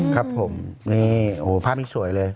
ครับผมนี่โอ้โหภาพนี้สวยเลย